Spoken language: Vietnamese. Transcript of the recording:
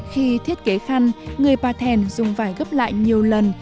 khi thiết kế khăn người pà thèn dùng vải gấp lại nhiều lần